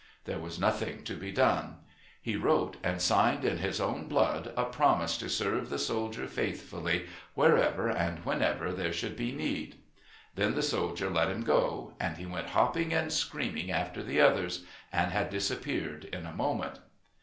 There was nothing to be done. He wrote and signed in his own blood a promise to serve the soldier faithfully wherever and whenever there should be need. Then the soldier let him go, and he went hopping and screaming after the others, and had disappeared in a moment.